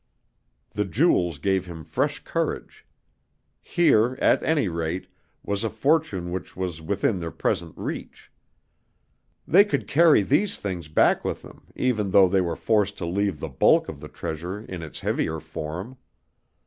The jewels gave him fresh courage. Here, at any rate, was a fortune which was within their present reach. They could carry these things back with them even though they were forced to leave the bulk of the treasure in its heavier form.